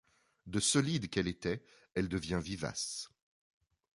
De solide qu’elle était elle devient vivace.